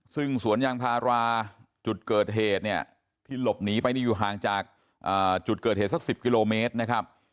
ซึ่งสวนยางพาราจุดเกิดเหตุเนี่ยที่หลบหนีไปนี่อยู่ห่างจากจุดเกิดเหตุสัก๑๐กิโลเมตรนะครับ